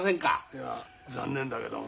いや残念だけども。